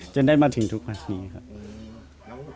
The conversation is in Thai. จนได้มาถึงทุกวันนี้ครับ